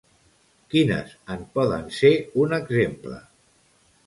Quines en poden ser un exemple?